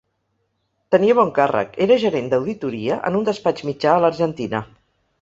Tenia bon càrrec, era gerent d’auditoria en un despatx mitjà a l’Argentina.